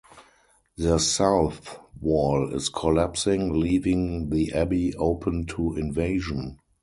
The south wall is collapsing, leaving the Abbey open to invasion.